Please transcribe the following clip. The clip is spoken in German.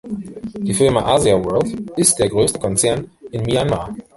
Die Firma Asia World ist der größte Konzern in Myanmar.